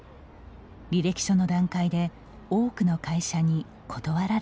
履歴書の段階で多くの会社に断られてきました。